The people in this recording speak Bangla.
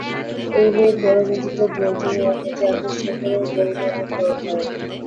এই মেয়ে পরবর্তীতে বৌদ্ধ ধর্মের প্রতি আকৃষ্ট হয়ে পড়েন এবং বৌদ্ধ ধর্ম গ্রহণ করেন।